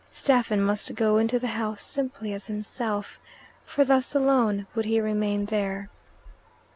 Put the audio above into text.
Stephen must go into the house simply as himself, for thus alone would he remain there.